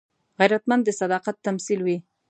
غیرتمند د صداقت تمثیل وي